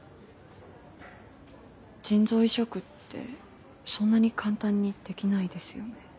腎臓移植ってそんなに簡単にできないですよね。